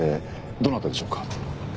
どなたでしょうか？